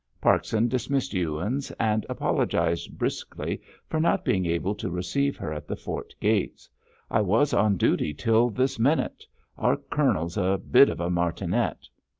Parkson dismissed Ewins and apologised briskly for not being able to receive her at the fort gates. "I was on duty till this minute. Our colonel's a bit of a martinet."